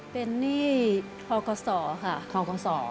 เป็นหนี้ทอคสค่ะ